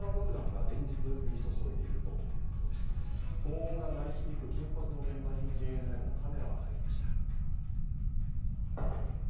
ごう音が鳴り響く緊迫の現場にＪＮＮのカメラが入りました。